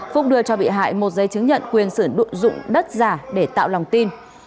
phúc đưa cho bị hại một giấy chứng nhận quyền sử dụng đất giả để tạo lòng tin